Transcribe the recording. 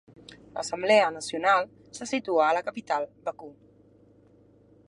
L'Assemblea Nacional se situa a la capital Bakú.